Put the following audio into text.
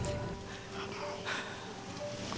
komi dan juli